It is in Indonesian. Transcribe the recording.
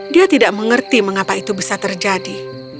dia tidak mengerti mengapa itu bisa terjadi